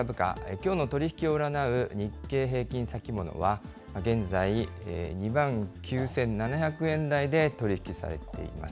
きょうの取り引きを占う日経平均先物は現在、２万９７００円台で取り引きされています。